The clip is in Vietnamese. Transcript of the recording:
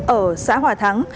ở xã hòa thắng